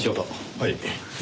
はい。